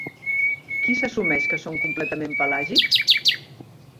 Qui s'assumeix que són completament pelàgics?